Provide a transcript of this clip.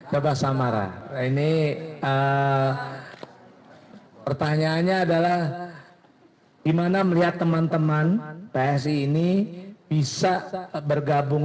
coba samara ini pertanyaannya adalah gimana melihat teman teman psi ini bisa bergabung